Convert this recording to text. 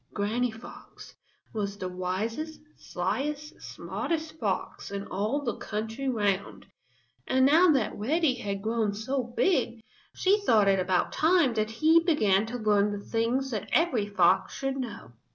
Granny Fox was the wisest, slyest, smartest fox in all the country round, and now that Reddy had grown so big, she thought it about time that he began to learn the things that every fox should know.